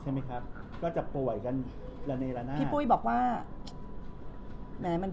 ใช่มั้ยครับก็จะโป่ยกันหลายระหน้า